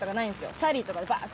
チャリとかでバーッて。